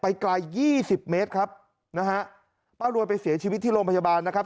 ไกลยี่สิบเมตรครับนะฮะป้ารวยไปเสียชีวิตที่โรงพยาบาลนะครับ